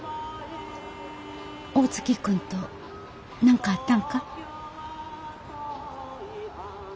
大月君と何かあったんか？